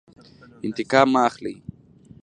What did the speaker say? انتقام مه اخلئ